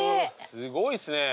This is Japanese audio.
すごいっすね。